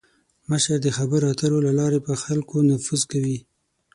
مشر د خبرو اترو له لارې پر خلکو نفوذ کوي.